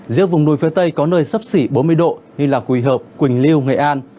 riêng vùng núi phía tây có nơi sấp xỉ bốn mươi độ như là quỳ hợp quỳnh liêu nghệ an